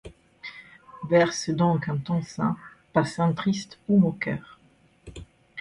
Verse donc en ton sein, passant triste ou moqueur